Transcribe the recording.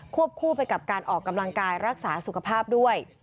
คู่ไปกับการออกกำลังกายรักษาสุขภาพด้วย